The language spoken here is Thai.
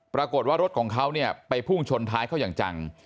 ปรากฏว่ารถของเขาเนี่ยไปพุ่งชนท้ายเขาอย่างจัง